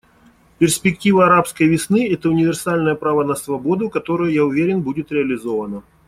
Перспектива «арабской весны» — это универсальное право на свободу, которое, я уверен, будет реализовано.